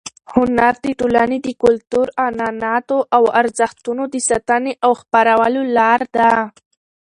هنر د ټولنې د کلتور، عنعناتو او ارزښتونو د ساتنې او خپرولو لار ده.